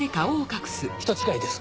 人違いです！